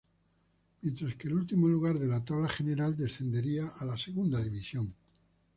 Mientras que el último lugar de la tabla general descendería a la Segunda División.